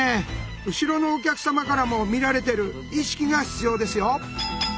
後ろのお客さまからも見られてる意識が必要ですよ。